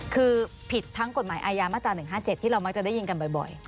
คือผิดทั้งกฎหมายอายามาตรา๑๕๗ที่เรามักจะได้ยินกันบ่อย